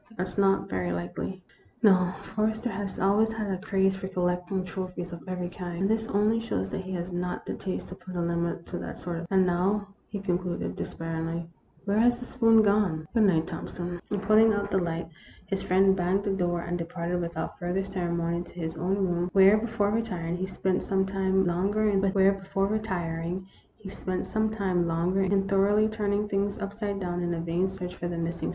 " That 's not very likely. No; Forrester has always had a craze for collecting trophies of every kind, and this 196 THE ROMANCE OF A SPOON. only shows that he has not the taste to put a limit to that sort of thing. And now, " he concluded, despairingly, " where has the spoon gone ? Good night, Thompson, " and, putting out the light, his friend banged the door and departed without further ceremony to his own room, where, before retiring, he spent some time longer in thoroughly turning things upside down in a vain search for the missing spoon.